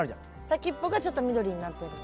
先っぽがちょっと緑になってる。